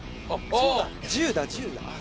そうだ１０だ１０だああ